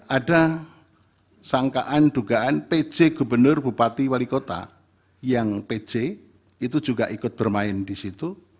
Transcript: ada sangkaan dugaan pj gubernur bupati wali kota yang pc itu juga ikut bermain di situ